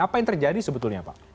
apa yang terjadi sebetulnya pak